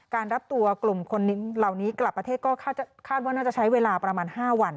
รับตัวกลุ่มคนเหล่านี้กลับประเทศก็คาดว่าน่าจะใช้เวลาประมาณ๕วัน